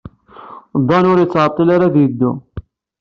Dan ur yettɛeḍḍil ara ad yeddu.